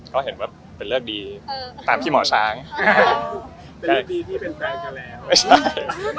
อย่างกว่าที่ลงรู้พร้อมกันกับหลายคนก็แบบ